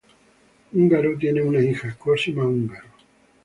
Ungaro tiene una hija, Cosima Ungaro.